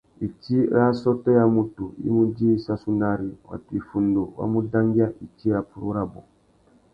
Itsi râ assôtô ya mutu i mú djï sassunari, watu iffundu wa mu dangüia itsi râ purú rabú.